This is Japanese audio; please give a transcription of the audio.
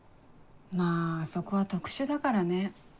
まぁあそこは特殊だからね。